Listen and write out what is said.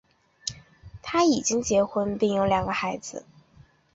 他已经结婚并有两个孩子。